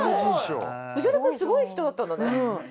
藤原君すごい人だったんだね。